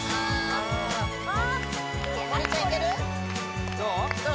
森ちゃんいける？どう？